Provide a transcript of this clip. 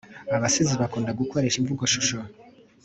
abasizi bakunda gukoresha imvugoshusho